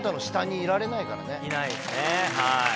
いないですね。